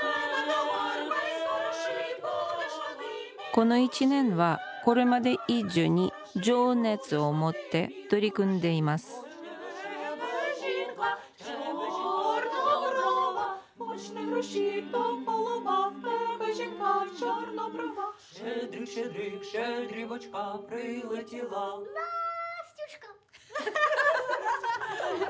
この１年はこれまで以上に情熱を持って取り組んでいますでも告白します。